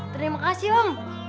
terima kasih om